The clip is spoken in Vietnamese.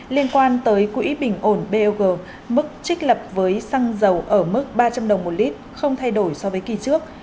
liên quan tới quỹ bình ổn bog mức trích lập với xăng dầu ở mức ba trăm linh đồng một lít không thay đổi so với kỳ trước